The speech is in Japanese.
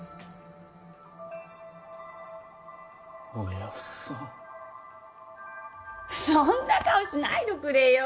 おやっさんそんな顔しないどくれよ